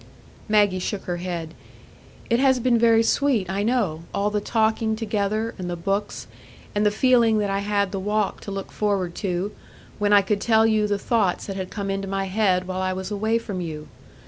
Maggie shook her head. "It has been very sweet, I know,—all the talking together, and the books, and the feeling that I had the walk to look forward to, when I could tell you the thoughts that had come into my head while I was away from you.